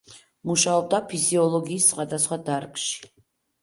მუშაობდა ფიზიოლოგიის სხვადასხვა დარგში.